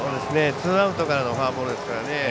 ツーアウトからのフォアボールですからね。